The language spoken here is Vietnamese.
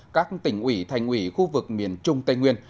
các tỉnh ủy thành ủy khu vực miền trung tây nguyên